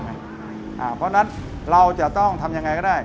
เพราะฉะนั้นเราจะต้องทำยังไงก็ได้